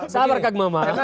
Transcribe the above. sabar kak gmama